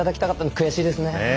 悔しいですね。